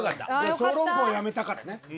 小籠包やめたからね。